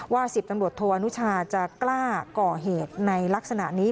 ๑๐ตำรวจโทอนุชาจะกล้าก่อเหตุในลักษณะนี้